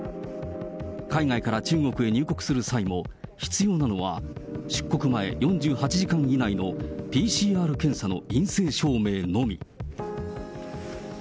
海外から中国へ入国する際も、必要なのは、出国前４８時間以内のＰＣＲ検査の陰性証明のみ。